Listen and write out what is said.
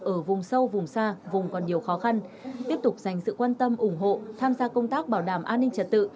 ở vùng sâu vùng xa vùng còn nhiều khó khăn tiếp tục dành sự quan tâm ủng hộ tham gia công tác bảo đảm an ninh trật tự